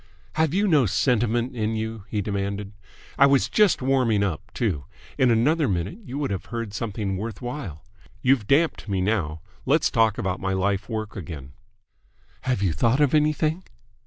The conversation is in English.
"Have you no sentiment in you?" he demanded. "I was just warming up, too! In another minute you would have heard something worth while. You've damped me now. Let's talk about my lifework again." "Have you thought of anything?"